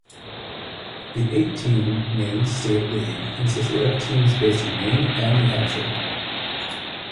The eight–team Maine State League consisted of teams based in Maine and New Hampshire.